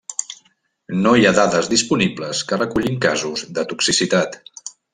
No hi ha dades disponibles que recullin casos de toxicitat.